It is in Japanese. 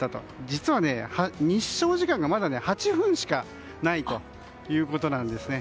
実は日照時間がまだ８分しかないということなんですね。